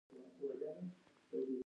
د ایران خلک ورزش خوښوي.